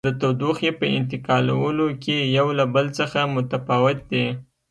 د تودوخې په انتقالولو کې یو له بل څخه متفاوت دي.